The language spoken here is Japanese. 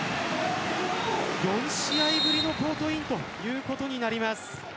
４試合ぶりのコートインとなります。